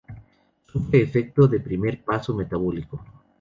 Sufre efecto de primer paso metabólico.